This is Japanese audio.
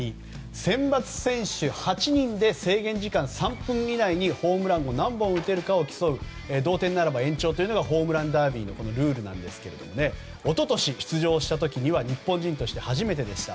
選抜選手８人で制限時間３分以内にホームラン何本打てるかを競う同点ならば延長というのがホームランダービーのルールなんですが一昨日、出場した時には日本人として初めてでした。